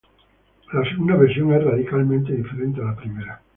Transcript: La segunda versión es radicalmente diferente a la primera.